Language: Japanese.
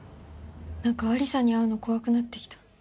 なんか亜里沙に会うの怖くなってきた。